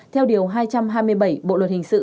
theo điều hai trăm hai mươi bảy bộ luật hình sự